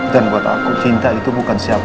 dan buat aku cinta itu bukan siapa